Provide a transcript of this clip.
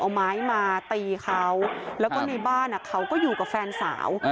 เอาไม้มาตีเขาแล้วก็ในบ้านเขาก็อยู่กับแฟนสาว